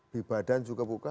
bibadan juga bukan